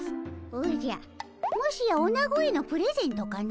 おじゃもしやおなごへのプレゼントかの？